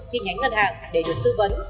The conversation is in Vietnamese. chi nhánh ngân hàng để được tư vấn